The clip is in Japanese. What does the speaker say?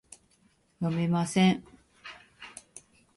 便于阅读